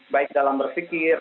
baik dalam berpikir